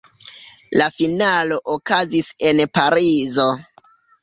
La finalo okazis en Parizo.